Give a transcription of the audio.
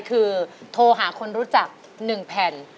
คือโทรหาคนรู้จัก๑แผ่น